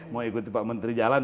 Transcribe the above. mau ikuti pak menteri jalan